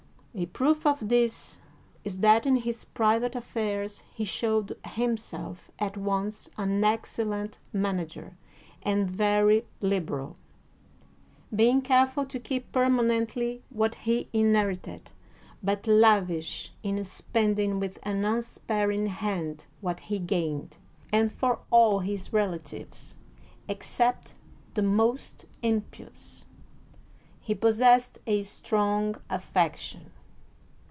A proof of this is that in his private affairs he showed himself at once an excellent manager and very liberal, being careful to keep permanently what he inherited, but lavish in spending with an unsparing hand what he gained ; and for all his relatives, except the most impious, he pos sessed a strong affection.